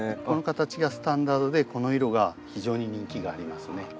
この形がスタンダードでこの色が非常に人気がありますね。